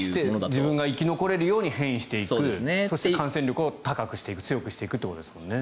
自分が生き残れるように変異していくそして感染力を高くしていくということですよね。